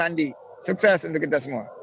andi sukses untuk kita semua